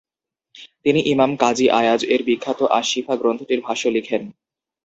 তিনি ইমাম কাজী আয়াজ-এর বিখ্যাত আশ শিফা গ্রন্থটির ভাষ্য লিখেন।